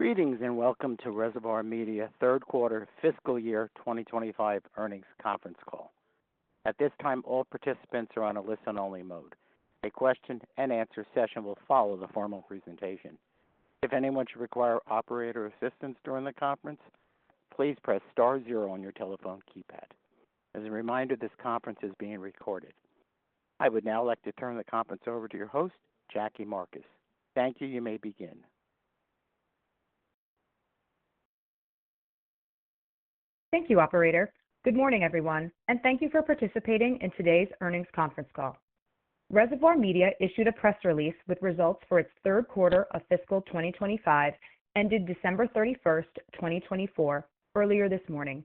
Greetings and welcome to Reservoir Media third quarter fiscal year 2025 Earnings Conference Call. At this time, all participants are on a listen-only mode. A question-and-answer session will follow the formal presentation. If anyone should require operator assistance during the conference, please press star zero on your telephone keypad. As a reminder, this conference is being recorded. I would now like to turn the conference over to your host, Jackie Marcus. Thank you. You may begin. Thank you, Operator. Good morning, everyone, and thank you for participating in today's earnings conference call. Reservoir Media issued a press release with results for its third quarter of fiscal 2025 ended December 31st, 2024, earlier this morning.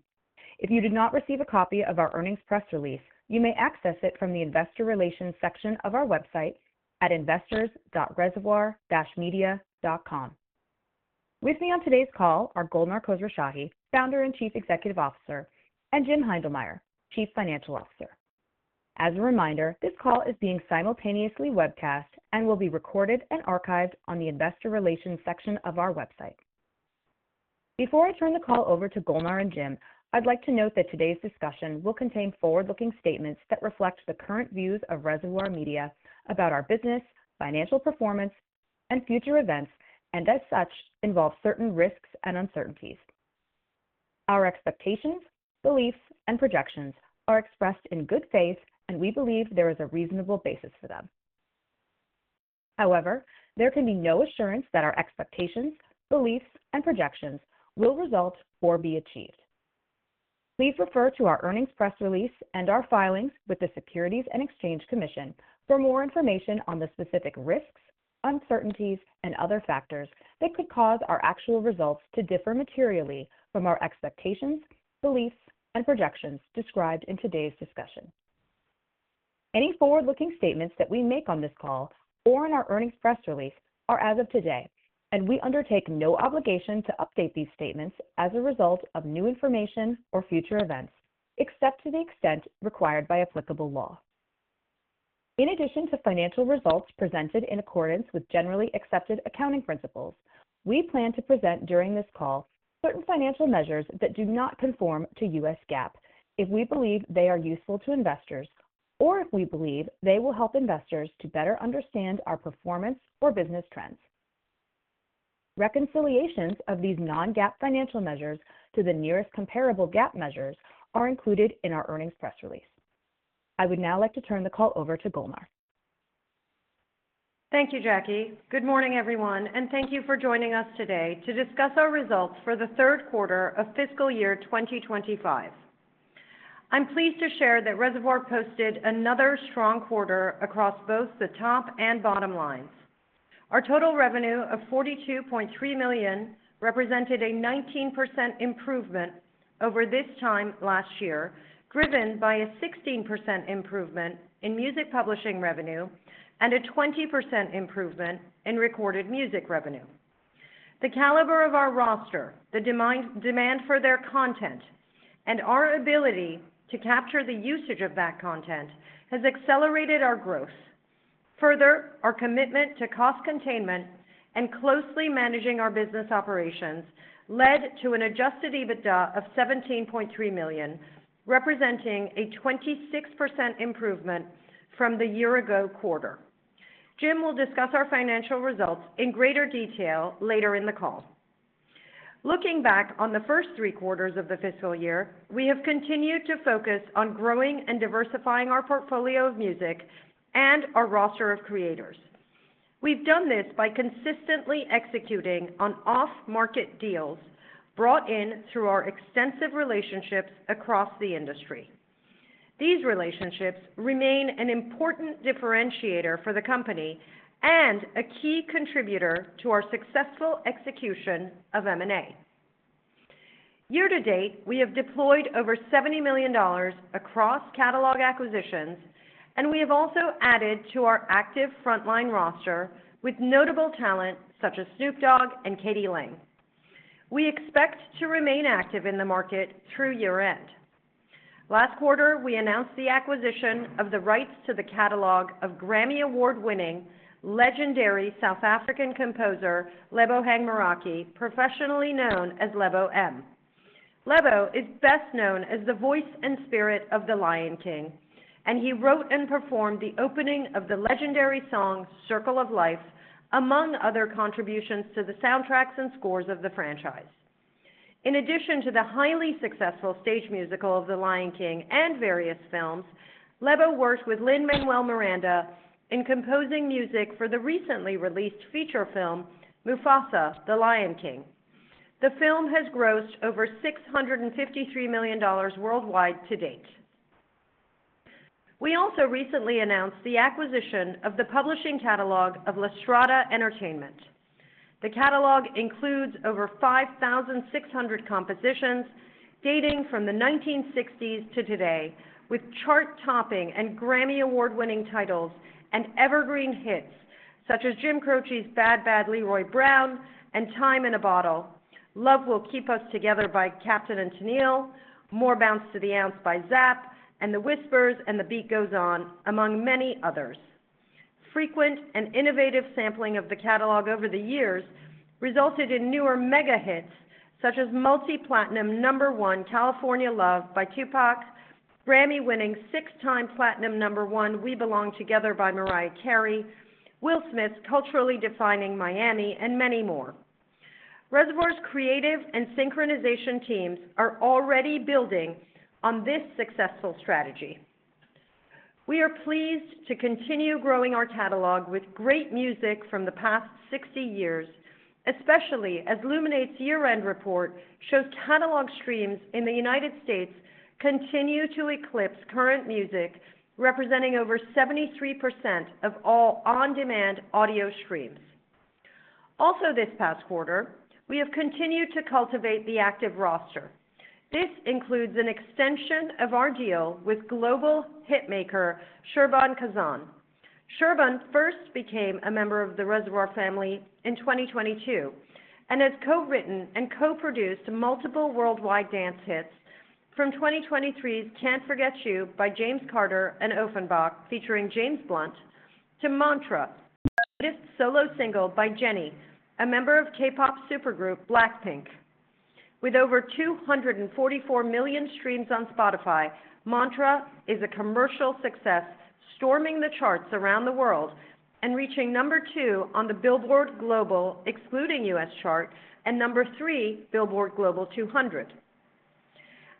If you did not receive a copy of our earnings press release, you may access it from the investor relations section of our website at investors.reservoir-media.com. With me on today's call are Golnar Khosrowshahi, Founder and Chief Executive Officer, and Jim Heindlmeyer, Chief Financial Officer. As a reminder, this call is being simultaneously webcast and will be recorded and archived on the investor relations section of our website. Before I turn the call over to Golnar and Jim, I'd like to note that today's discussion will contain forward-looking statements that reflect the current views of Reservoir Media about our business, financial performance, and future events, and as such, involve certain risks and uncertainties. Our expectations, beliefs, and projections are expressed in good faith, and we believe there is a reasonable basis for them. However, there can be no assurance that our expectations, beliefs, and projections will result or be achieved. Please refer to our earnings press release and our filings with the Securities and Exchange Commission for more information on the specific risks, uncertainties, and other factors that could cause our actual results to differ materially from our expectations, beliefs, and projections described in today's discussion. Any forward-looking statements that we make on this call or in our earnings press release are as of today, and we undertake no obligation to update these statements as a result of new information or future events, except to the extent required by applicable law. In addition to financial results presented in accordance with generally accepted accounting principles, we plan to present during this call certain financial measures that do not conform to U.S. GAAP if we believe they are useful to investors or if we believe they will help investors to better understand our performance or business trends. Reconciliations of these non-GAAP financial measures to the nearest comparable GAAP measures are included in our earnings press release. I would now like to turn the call over to Golnar. Thank you, Jackie. Good morning, everyone, and thank you for joining us today to discuss our results for the third quarter of fiscal year 2025. I'm pleased to share that Reservoir posted another strong quarter across both the top and bottom lines. Our total revenue of $42.3 million represented a 19% improvement over this time last year, driven by a 16% improvement in music publishing revenue and a 20% improvement in recorded music revenue. The caliber of our roster, the demand for their content, and our ability to capture the usage of that content has accelerated our growth. Further, our commitment to cost containment and closely managing our business operations led to an adjusted EBITDA of $17.3 million, representing a 26% improvement from the year-ago quarter. Jim will discuss our financial results in greater detail later in the call. Looking back on the first three quarters of the fiscal year, we have continued to focus on growing and diversifying our portfolio of music and our roster of creators. We've done this by consistently executing on off-market deals brought in through our extensive relationships across the industry. These relationships remain an important differentiator for the company and a key contributor to our successful execution of M&A. Year-to-date, we have deployed over $70 million across catalog acquisitions, and we have also added to our active frontline roster with notable talent such as Snoop Dogg and k.d. lang. We expect to remain active in the market through year-end. Last quarter, we announced the acquisition of the rights to the catalog of Grammy Award-winning legendary South African composer Lebohang Morake, professionally known as Lebo M. Lebo is best known as the voice and spirit of The Lion King, and he wrote and performed the opening of the legendary song Circle of Life, among other contributions to the soundtracks and scores of the franchise. In addition to the highly successful stage musical of The Lion King and various films, Lebo worked with Lin-Manuel Miranda in composing music for the recently released feature film, Mufasa: The Lion King. The film has grossed over $653 million worldwide to date. We also recently announced the acquisition of the publishing catalog of LaStrada Entertainment. The catalog includes over 5,600 compositions dating from the 1960s to today, with chart-topping and Grammy Award-winning titles and evergreen hits such as Jim Croce's Bad, Bad Leroy Brown and Time in a Bottle, Love Will Keep Us Together by Captain & Tennille, More Bounce to the Ounce by Zapp, and The Whispers' And the Beat Goes On, among many others. Frequent and innovative sampling of the catalog over the years resulted in newer mega-hits such as multi-platinum number one California Love by Tupac, Grammy-winning 6x platinum number one We Belong Together by Mariah Carey, Will Smith's culturally defining Miami, and many more. Reservoir's creative and synchronization teams are already building on this successful strategy. We are pleased to continue growing our catalog with great music from the past 60 years, especially as Luminate's year-end report shows catalog streams in the United States continue to eclipse current music, representing over 73% of all on-demand audio streams. Also, this past quarter, we have continued to cultivate the active roster. This includes an extension of our deal with global hitmaker Serban Cazan. Serban first became a member of the Reservoir family in 2022 and has co-written and co-produced multiple worldwide dance hits from 2023's Can't Forget You by James Carter and Ofenbach featuring James Blunt to Mantra, the latest solo single by Jennie, a member of K-pop supergroup Blackpink. With over 244 million streams on Spotify, Mantra is a commercial success storming the charts around the world and reaching number two on the Billboard Global, excluding U.S. chart, and number three Billboard Global 200.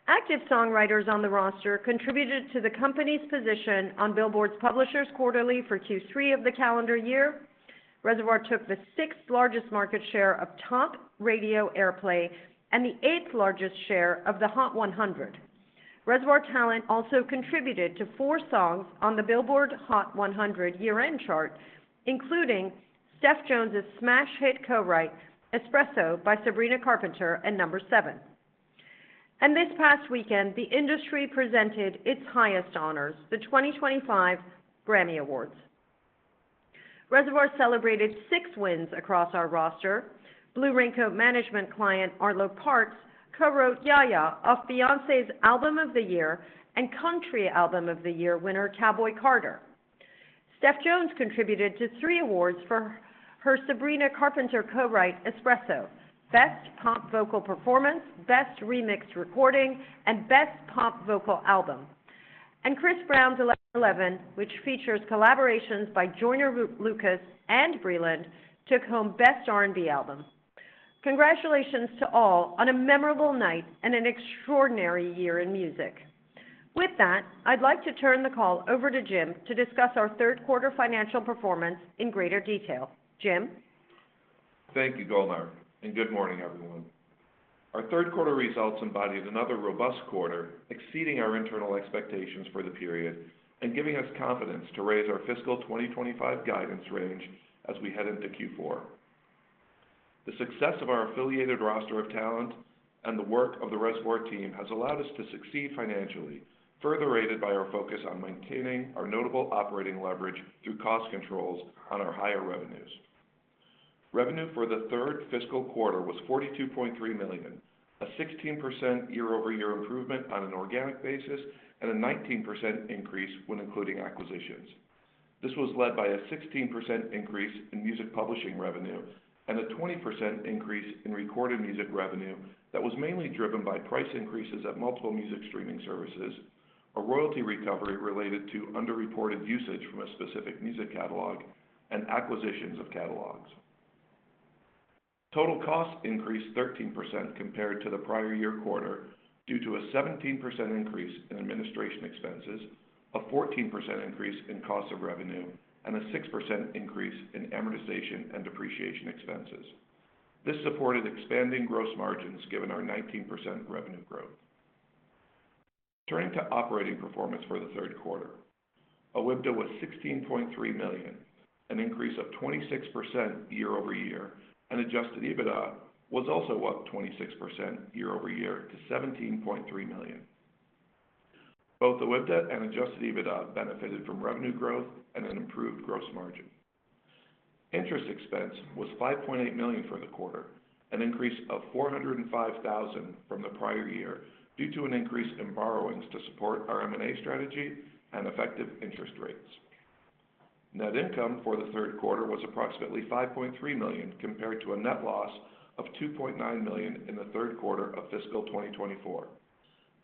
Active songwriters on the roster contributed to the company's position on Billboard's Publishers Quarterly for Q3 of the calendar year. Reservoir took the sixth-largest market share of top radio airplay and the eighth-largest share of the Hot 100. Reservoir talent also contributed to four songs on the Billboard Hot 100 year-end chart, including Steph Jones's smash hit co-write Espresso by Sabrina Carpenter and number seven. And this past weekend, the industry presented its highest honors, the 2025 Grammy Awards. Reservoir celebrated six wins across our roster. Blue Raincoat Management client Arlo Parks co-wrote Ya Ya off Beyoncé's Album of the Year and Country Album of the Year winner Cowboy Carter. Steph Jones contributed to three awards for her Sabrina Carpenter co-write Espresso, Best Pop Vocal Performance, Best Remix Recording, and Best Pop Vocal Album. And Chris Brown's 11:11, which features collaborations by Joyner Lucas and Breland, took home Best R&B Album. Congratulations to all on a memorable night and an extraordinary year in music. With that, I'd like to turn the call over to Jim to discuss our third quarter financial performance in greater detail. Jim? Thank you, Golnar, and good morning, everyone. Our third quarter results embodied another robust quarter, exceeding our internal expectations for the period and giving us confidence to raise our fiscal 2025 guidance range as we head into Q4. The success of our affiliated roster of talent and the work of the Reservoir team has allowed us to succeed financially, further aided by our focus on maintaining our notable operating leverage through cost controls on our higher revenues. Revenue for the third fiscal quarter was $42.3 million, a 16% year-over-year improvement on an organic basis and a 19% increase when including acquisitions. This was led by a 16% increase in music publishing revenue and a 20% increase in recorded music revenue that was mainly driven by price increases at multiple music streaming services, a royalty recovery related to underreported usage from a specific music catalog, and acquisitions of catalogs. Total costs increased 13% compared to the prior year quarter due to a 17% increase in administration expenses, a 14% increase in cost of revenue, and a 6% increase in amortization and depreciation expenses. This supported expanding gross margins given our 19% revenue growth. Turning to operating performance for the third quarter, OIBDA was $16.3 million, an increase of 26% year-over-year, and adjusted EBITDA was also up 26% year-over-year to $17.3 million. Both OIBDA and adjusted EBITDA benefited from revenue growth and an improved gross margin. Interest expense was $5.8 million for the quarter, an increase of $405,000 from the prior year due to an increase in borrowings to support our M&A strategy and effective interest rates. Net income for the third quarter was approximately $5.3 million compared to a net loss of $2.9 million in the third quarter of fiscal 2024.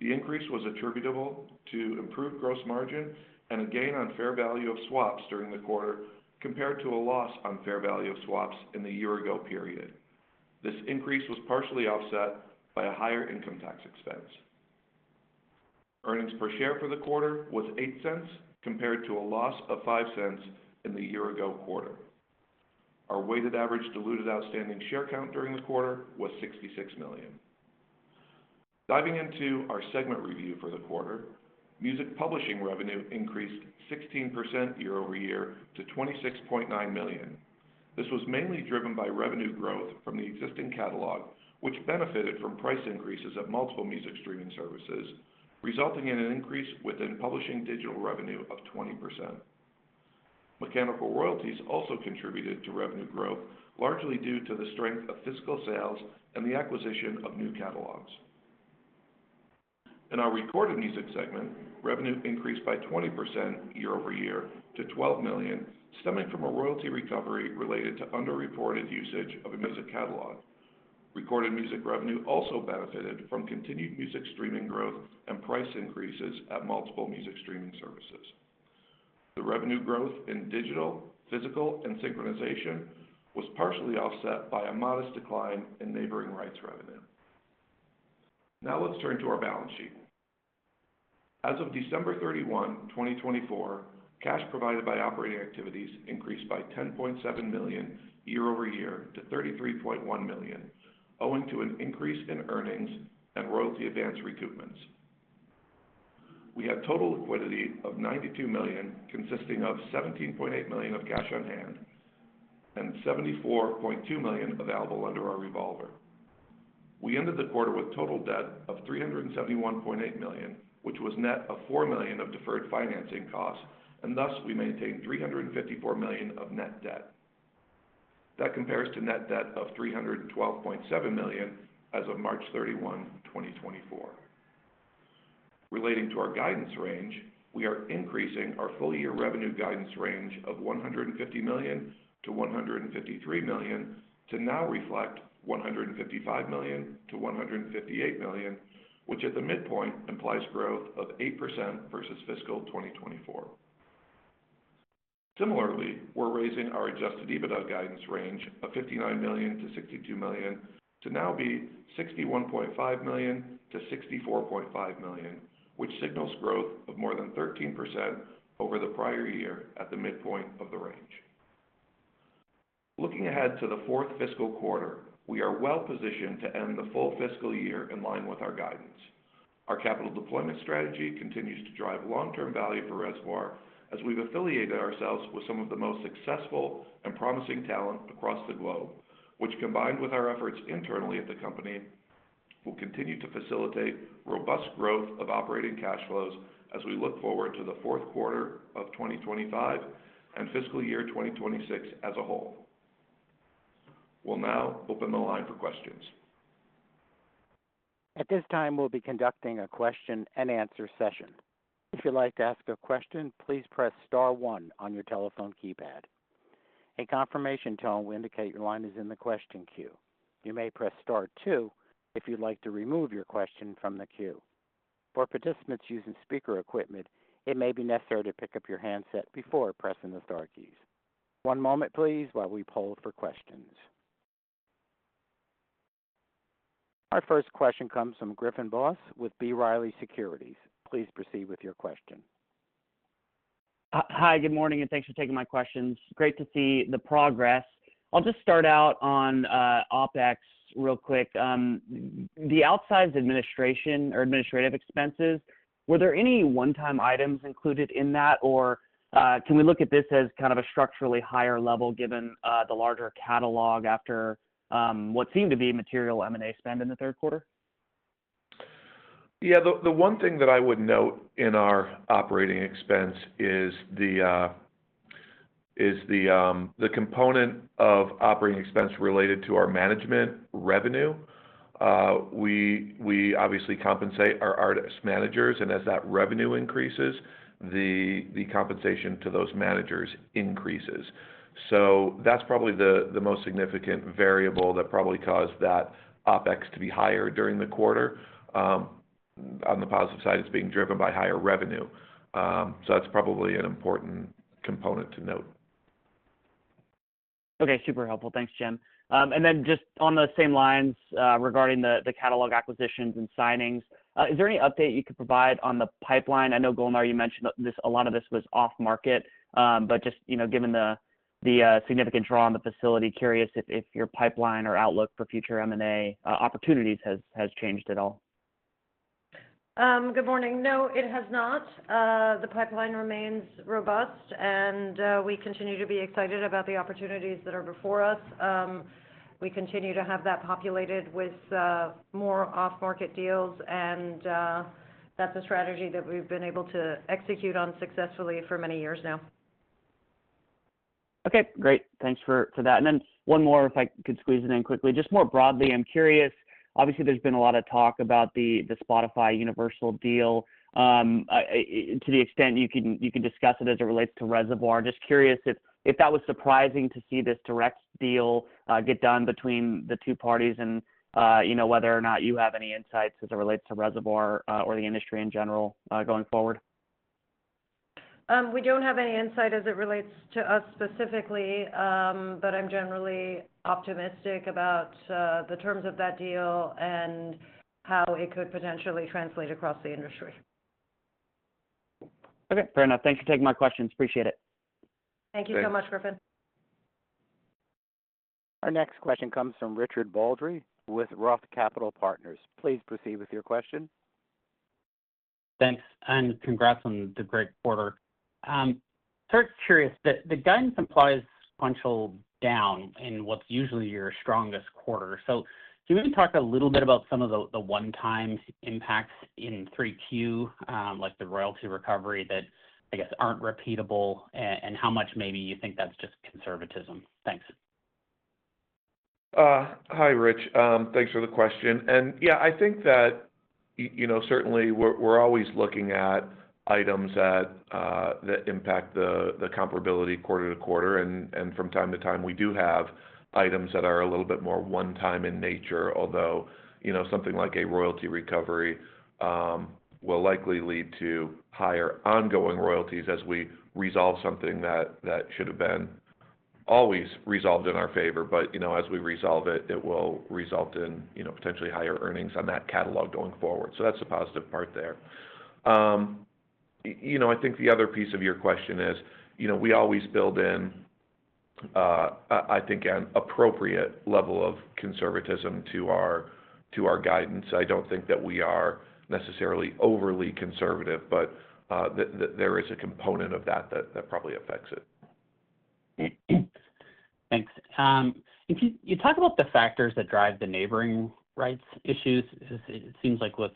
The increase was attributable to improved gross margin and a gain on fair value of swaps during the quarter compared to a loss on fair value of swaps in the year-ago period. This increase was partially offset by a higher income tax expense. Earnings per share for the quarter was $0.08 compared to a loss of $0.05 in the year-ago quarter. Our weighted average diluted outstanding share count during the quarter was 66 million. Diving into our segment review for the quarter, music publishing revenue increased 16% year-over-year to $26.9 million. This was mainly driven by revenue growth from the existing catalog, which benefited from price increases at multiple music streaming services, resulting in an increase within publishing digital revenue of 20%. Mechanical royalties also contributed to revenue growth, largely due to the strength of physical sales and the acquisition of new catalogs. In our recorded music segment, revenue increased by 20% year-over-year to $12 million, stemming from a royalty recovery related to underreported usage of a music catalog. Recorded music revenue also benefited from continued music streaming growth and price increases at multiple music streaming services. The revenue growth in digital, physical, and synchronization was partially offset by a modest decline in neighboring rights revenue. Now let's turn to our balance sheet. As of December 31, 2024, cash provided by operating activities increased by $10.7 million year-over-year to $33.1 million, owing to an increase in earnings and royalty advance recoupments. We had total liquidity of $92 million, consisting of $17.8 million of cash on hand and $74.2 million available under our revolver. We ended the quarter with total debt of $371.8 million, which was net of $4 million of deferred financing costs, and thus we maintained $354 million of net debt. That compares to net debt of $312.7 million as of March 31, 2024. Relating to our guidance range, we are increasing our full-year revenue guidance range of $150 million-$153 million to now reflect $155 million-$158 million, which at the midpoint implies growth of 8% versus fiscal 2024. Similarly, we're raising our adjusted EBITDA guidance range of $59 million-$62 million to now be $61.5 million-$64.5 million, which signals growth of more than 13% over the prior year at the midpoint of the range. Looking ahead to the fourth fiscal quarter, we are well-positioned to end the full fiscal year in line with our guidance. Our capital deployment strategy continues to drive long-term value for Reservoir as we've affiliated ourselves with some of the most successful and promising talent across the globe, which, combined with our efforts internally at the company, will continue to facilitate robust growth of operating cash flows as we look forward to the fourth quarter of 2025 and fiscal year 2026 as a whole. We'll now open the line for questions. At this time, we'll be conducting a question-and-answer session. If you'd like to ask a question, please press star one on your telephone keypad. A confirmation tone will indicate your line is in the question queue. You may press star two if you'd like to remove your question from the queue. For participants using speaker equipment, it may be necessary to pick up your handset before pressing the star keys. One moment, please, while we poll for questions. Our first question comes from Griffin Boss with B. Riley Securities. Please proceed with your question. Hi, good morning, and thanks for taking my questions. Great to see the progress. I'll just start out on OpEx real quick. The outsized administration or administrative expenses, were there any one-time items included in that, or can we look at this as kind of a structurally higher level given the larger catalog after what seemed to be material M&A spend in the third quarter? Yeah, the one thing that I would note in our operating expense is the component of operating expense related to our management revenue. We obviously compensate our artist managers, and as that revenue increases, the compensation to those managers increases. So that's probably the most significant variable that probably caused that OpEx to be higher during the quarter. On the positive side, it's being driven by higher revenue. So that's probably an important component to note. Okay, super helpful. Thanks, Jim. And then just on those same lines regarding the catalog acquisitions and signings, is there any update you could provide on the pipeline? I know, Golnar, you mentioned a lot of this was off-market, but just given the significant draw on the facility, curious if your pipeline or outlook for future M&A opportunities has changed at all. Good morning. No, it has not. The pipeline remains robust, and we continue to be excited about the opportunities that are before us. We continue to have that populated with more off-market deals, and that's a strategy that we've been able to execute on successfully for many years now. Okay, great. Thanks for that. And then one more, if I could squeeze it in quickly. Just more broadly, I'm curious, obviously there's been a lot of talk about the Spotify Universal deal to the extent you can discuss it as it relates to Reservoir. Just curious if that was surprising to see this direct deal get done between the two parties and whether or not you have any insights as it relates to Reservoir or the industry in general going forward. We don't have any insight as it relates to us specifically, but I'm generally optimistic about the terms of that deal and how it could potentially translate across the industry. Okay, fair enough. Thanks for taking my questions. Appreciate it. Thank you so much, Griffin. Our next question comes from Richard Baldry with Roth Capital Partners. Please proceed with your question. Thanks, and congrats on the great quarter. First, curious, the guidance implies sequential down in what's usually your strongest quarter. So can you talk a little bit about some of the one-time impacts in 3Q, like the royalty recovery that, I guess, aren't repeatable, and how much maybe you think that's just conservatism? Thanks. Hi, Rich. Thanks for the question. And yeah, I think that certainly we're always looking at items that impact the comparability quarter to quarter, and from time to time, we do have items that are a little bit more one-time in nature, although something like a royalty recovery will likely lead to higher ongoing royalties as we resolve something that should have been always resolved in our favor. But as we resolve it, it will result in potentially higher earnings on that catalog going forward. So that's the positive part there. I think the other piece of your question is we always build in, I think, an appropriate level of conservatism to our guidance. I don't think that we are necessarily overly conservative, but there is a component of that that probably affects it. Thanks. You talk about the factors that drive the neighboring rights issues. It seems like with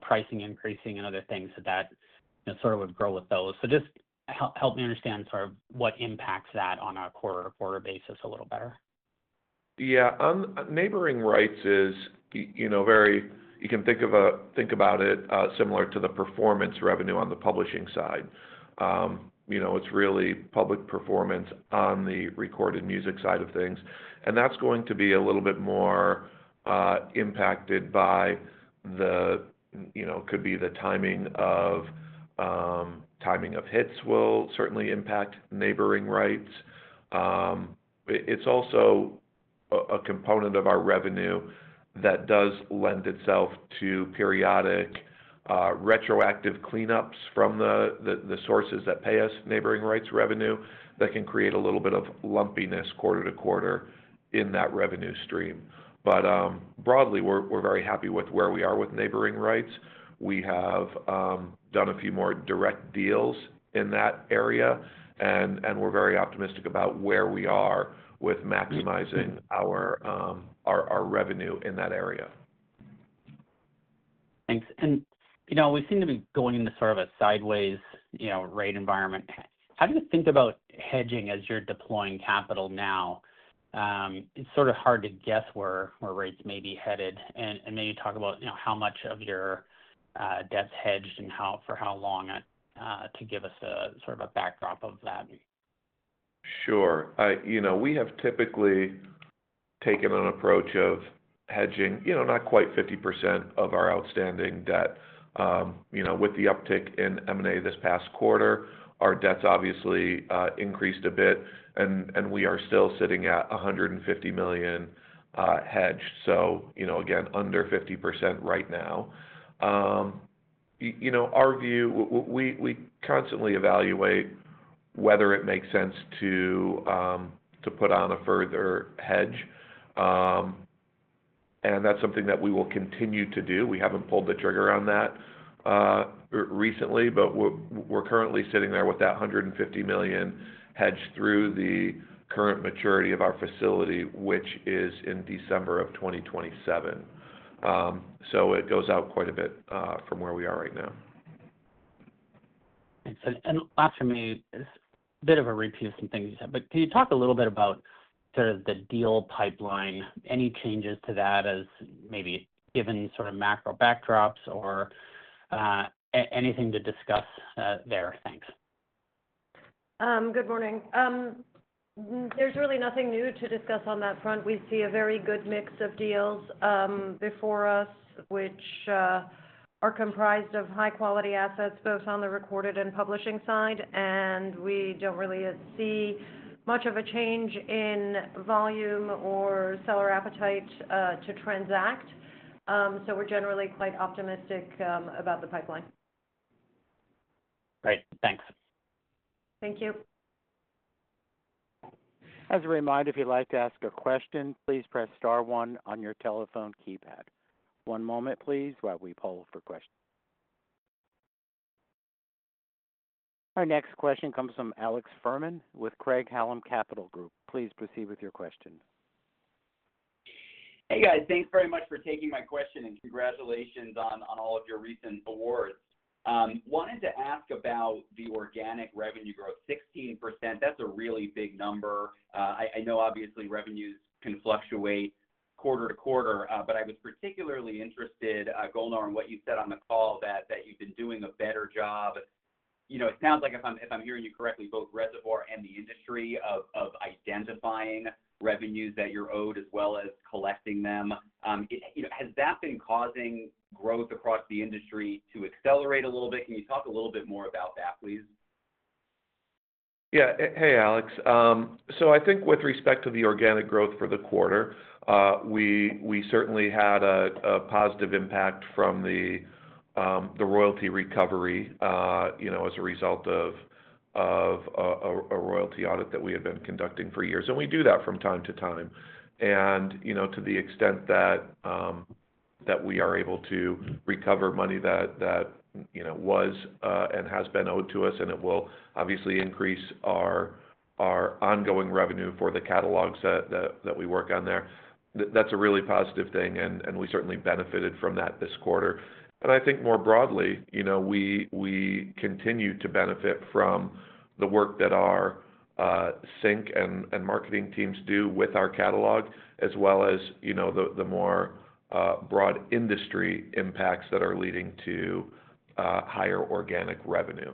pricing increasing and other things that sort of would grow with those. So just help me understand sort of what impacts that on a quarter-to-quarter basis a little better? Yeah, neighboring rights is very. You can think about it similar to the performance revenue on the publishing side. It's really public performance on the recorded music side of things, and that's going to be a little bit more impacted by the. Could be the timing of hits will certainly impact neighboring rights. It's also a component of our revenue that does lend itself to periodic retroactive cleanups from the sources that pay us neighboring rights revenue that can create a little bit of lumpiness quarter to quarter in that revenue stream, but broadly, we're very happy with where we are with neighboring rights. We have done a few more direct deals in that area, and we're very optimistic about where we are with maximizing our revenue in that area. Thanks. And we seem to be going into sort of a sideways rate environment. How do you think about hedging as you're deploying capital now? It's sort of hard to guess where rates may be headed. And maybe talk about how much of your debt's hedged and for how long, to give us sort of a backdrop of that. Sure. We have typically taken an approach of hedging not quite 50% of our outstanding debt. With the uptick in M&A this past quarter, our debts obviously increased a bit, and we are still sitting at $150 million hedged. So again, under 50% right now. Our view, we constantly evaluate whether it makes sense to put on a further hedge, and that's something that we will continue to do. We haven't pulled the trigger on that recently, but we're currently sitting there with that $150 million hedged through the current maturity of our facility, which is in December of 2027. So it goes out quite a bit from where we are right now. And last for me, a bit of a repeat of some things you said, but can you talk a little bit about sort of the deal pipeline? Any changes to that as maybe given sort of macro backdrops or anything to discuss there? Thanks. Good morning. There's really nothing new to discuss on that front. We see a very good mix of deals before us, which are comprised of high-quality assets both on the recorded and publishing side, and we don't really see much of a change in volume or seller appetite to transact. So we're generally quite optimistic about the pipeline. Great. Thanks. Thank you. As a reminder, if you'd like to ask a question, please press star one on your telephone keypad. One moment, please, while we poll for questions. Our next question comes from Alex Fuhrman with Craig-Hallum Capital Group. Please proceed with your question. Hey, guys. Thanks very much for taking my question, and congratulations on all of your recent awards. Wanted to ask about the organic revenue growth, 16%. That's a really big number. I know, obviously, revenues can fluctuate quarter-to-quarter, but I was particularly interested, Golnar, in what you said on the call that you've been doing a better job. It sounds like, if I'm hearing you correctly, both Reservoir and the industry of identifying revenues that you're owed as well as collecting them. Has that been causing growth across the industry to accelerate a little bit? Can you talk a little bit more about that, please? Yeah. Hey, Alex. So I think with respect to the organic growth for the quarter, we certainly had a positive impact from the royalty recovery as a result of a royalty audit that we have been conducting for years. And we do that from time to time. And to the extent that we are able to recover money that was and has been owed to us, and it will obviously increase our ongoing revenue for the catalogs that we work on there, that's a really positive thing, and we certainly benefited from that this quarter. And I think more broadly, we continue to benefit from the work that our sync and marketing teams do with our catalog, as well as the more broad industry impacts that are leading to higher organic revenue.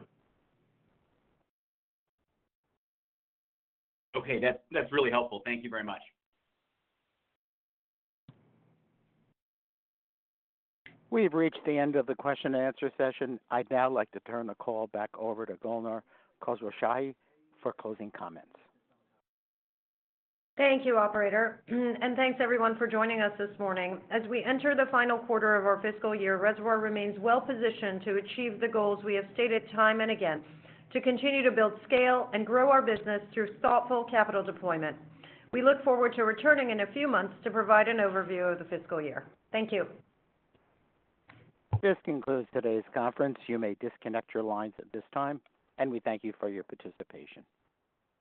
Okay, that's really helpful. Thank you very much. We've reached the end of the question-and-answer session. I'd now like to turn the call back over to Golnar Khosrowshahi for closing comments. Thank you, Operator. And thanks, everyone, for joining us this morning. As we enter the final quarter of our fiscal year, Reservoir remains well-positioned to achieve the goals we have stated time and again, to continue to build scale and grow our business through thoughtful capital deployment. We look forward to returning in a few months to provide an overview of the fiscal year. Thank you. This concludes today's conference. You may disconnect your lines at this time, and we thank you for your participation.